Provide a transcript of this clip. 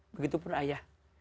begitu pun ayah